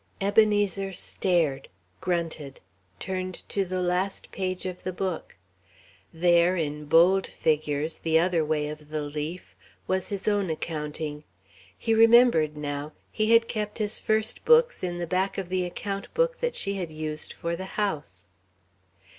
Ebenezer stared, grunted, turned to the last page of the book. There, in bold figures, the other way of the leaf, was his own accounting. He remembered now he had kept his first books in the back of the account book that she had used for the house.